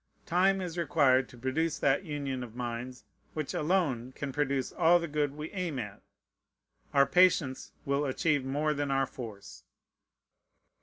Time is required to produce that union of minds which alone can produce all the good we aim at. Our patience will achieve more than our force.